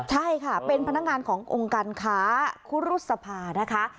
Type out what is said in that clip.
ใช่ค่ะเป็นพนักงานขององค์การค้าคุรุษภานะคะ